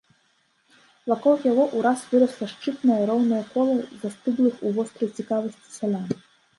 Вакол яго ўраз вырасла шчытнае, роўнае кола застыглых у вострай цікавасці сялян.